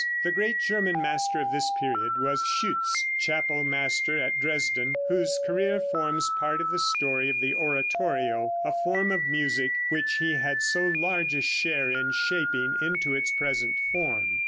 The great German master of this period was Schütz, chapel master at Dresden, whose career forms part of the story of the oratorio, a form of music which he had so large a share in shaping into its present form.